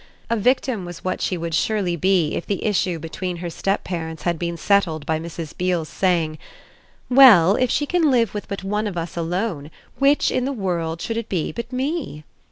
A victim was what she should surely be if the issue between her step parents had been settled by Mrs. Beale's saying: "Well, if she can live with but one of us alone, with which in the world should it be but me?"